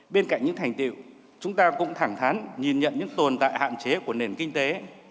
bên cạnh những thành tiệu chúng ta cũng thẳng thắn nhìn nhận những tồn tại hạn chế của nền kinh tế